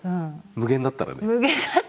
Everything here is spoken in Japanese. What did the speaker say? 無限だったら。